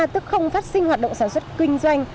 tức không phát sinh hoạt động sản xuất kinh doanh